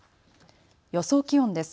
予想気温です。